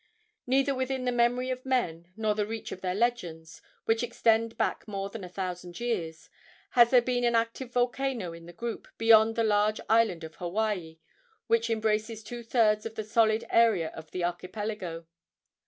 Neither within the memory of men nor the reach of their legends, which extend back more than a thousand years, has there been an active volcano in the group beyond the large island of Hawaii, which embraces two thirds of the solid area of the archipelago.